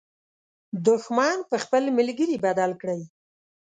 دښمن په خپل ملګري بدل کړئ.